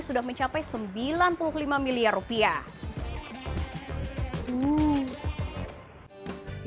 sudah mencapai sembilan puluh lima miliar rupiah